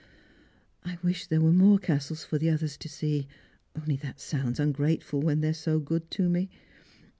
" I wish there was more castles for the others to see, only that sounds ungrateful when they are so good to me.